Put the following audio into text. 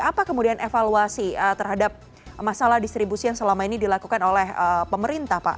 apa kemudian evaluasi terhadap masalah distribusi yang selama ini dilakukan oleh pemerintah pak